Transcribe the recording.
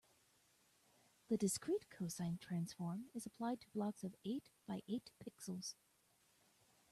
The discrete cosine transform is applied to blocks of eight by eight pixels.